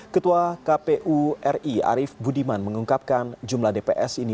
ketua kpu ri arief budiman mengungkapkan jumlah dps ini